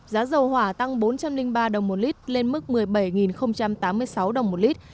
giá dầu hỏa tăng bốn trăm linh ba đồng một lít lên mức một mươi bảy tám mươi sáu đồng một lít